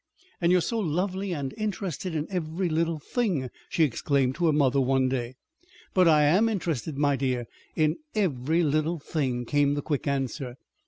"And you're so lovely and interested in every little thing!" she exclaimed to her mother one day. "But I am interested, my dear, in every little thing," came the quick answer.